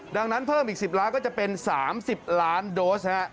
ดังนั้นเพิ่มอีก๑๐ล้านก็จะเป็น๓๐ล้านโดส